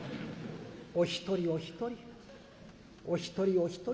お一人お一人お一人お一人。